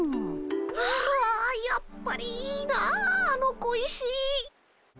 あやっぱりいいなあの小石。